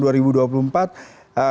usia dua puluh dua hingga tiga puluh dua